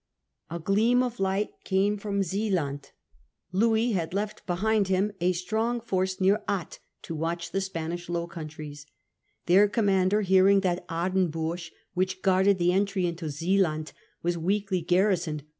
A gleam of light came from Zealand. Louis had (eft behind him a strong force near Ath to watch the Success Spanish Low Countries. Their commander, Zealanders ^ ear ' n S that Aardenburg, which guarded the at entry into Zealand, was weakly garrisoned, Aardenburg.